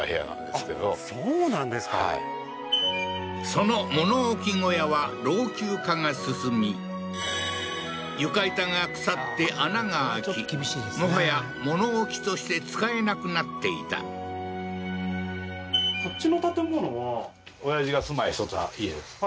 その物置小屋は老朽化が進み床板が腐って穴が開きもはや物置として使えなくなっていたこっちの建物はおやじが住まいしとった家です